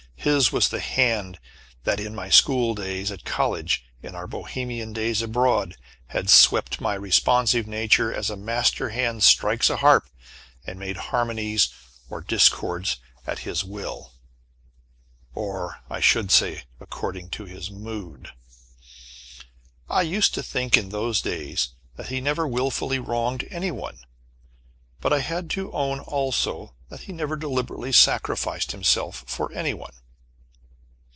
His was the hand that in my school days, at college, in our Bohemian days abroad, had swept my responsive nature as a master hand strikes a harp, and made harmonies or discords at his will or, I should say, according to his mood. I used to think in those days that he never willfully wronged any one, but I had to own also that he never deliberately sacrificed himself for any one.